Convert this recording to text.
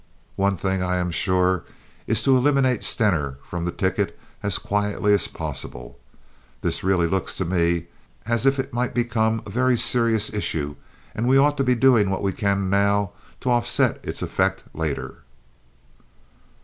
One thing, I am sure, is to eliminate Stener from the ticket as quietly as possible. This really looks to me as if it might become a very serious issue, and we ought to be doing what we can now to offset its effect later."